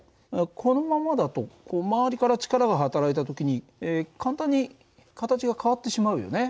このままだと周りから力が働いた時に簡単に形が変わってしまうよね。